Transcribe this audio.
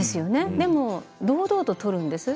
でも堂々と取るんですね。